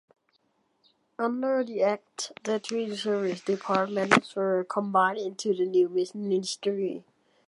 Under the Act the three Service departments were combined into the new Ministry.